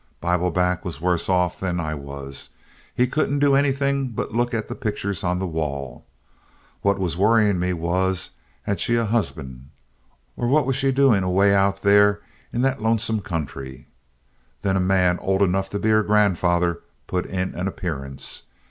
Bibleback was worse off than I was; he couldn't do anything but look at the pictures on the wall. What was worrying me was, had she a husband? Or what was she doing away out there in that lonesome country? Then a man old enough to be her grandfather put in an appearance.